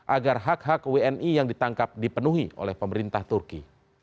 agar hak hak wni yang ditangkap dipenuhi oleh pemerintah turki